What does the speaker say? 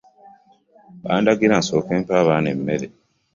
Bandagira nsooke mpe abaana emmere.